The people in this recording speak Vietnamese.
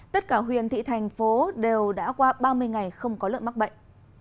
tất cả huyện thị thành phố đều đã qua ba mươi ngày không có lợn mắc bệnh